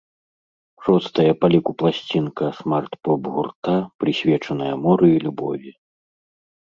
Шостая па ліку пласцінка смарт-поп гурта, прысвечаная мору і любові.